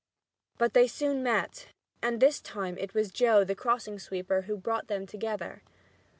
But they soon met, and this time it was Joe the crossing sweeper who brought them together.